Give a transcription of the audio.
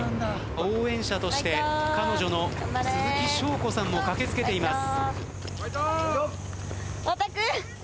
応援者として彼女の鈴木翔子さんも駆け付けています。